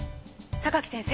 榊先生